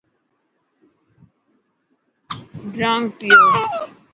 ڊرانگ پيو.